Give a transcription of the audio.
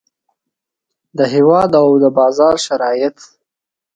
د هیواد او د بازار شرایط.